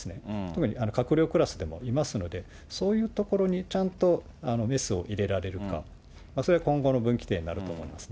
つまり閣僚クラスでもいますんで、そういうところにちゃんとメスを入れられるか、それは今後の分岐点になると思うんです。